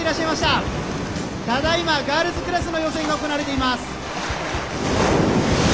ただ今ガールズクラスの予選が行われています。